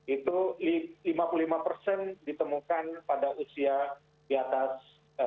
itu lima puluh lima persen ditemukan pada usia di atas